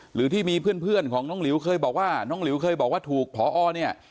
หรือที่มีเพื่อนของน้องหลิวเคยบอกว่าน้องหลิวเคยบอกว่าถูกพอเนี่ย